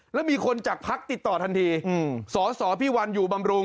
แล้วมีคนจากพักติดต่อทันทีสสพี่วันอยู่บำรุง